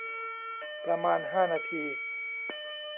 ประมาณ ห้า นาที